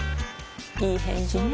いい返事ね